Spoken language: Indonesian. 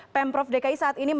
pemprov dki saat ini